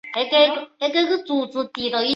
民国二年废除广平府。